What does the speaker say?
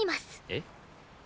えっ？